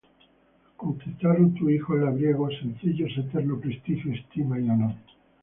conquistaron tus hijos labriegos, sencillos eterno prestigio, estima y honor